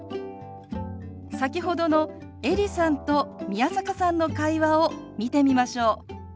先ほどのエリさんと宮坂さんの会話を見てみましょう。